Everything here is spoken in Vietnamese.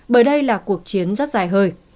bởi đây là cuộc chiến rất dài hơi